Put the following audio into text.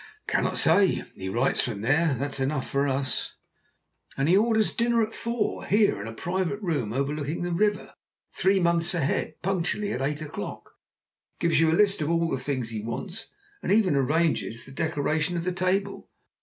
"I cannot say. He writes from there that is enough for us." "And he orders dinner for four here, in a private room overlooking the river, three months ahead punctually at eight o'clock, gives you a list of the things he wants, and even arranges the decoration of the table.